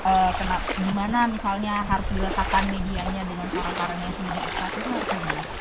atau gimana misalnya harus diletakkan medianya dengan karang kareng yang sebesar itu atau gimana